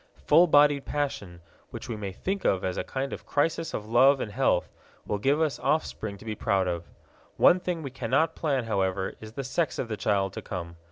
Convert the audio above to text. Full bodied passion, which we may think of as a kind of crisis of love and health, will give us offspring to be proud of. One thing we cannot plan, however, is the sex of the child to come.